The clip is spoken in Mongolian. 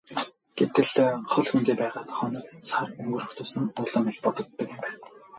Гэтэл хол хөндий байгаад хоног сар өнгөрөх бүр улам их бодогддог юм байна.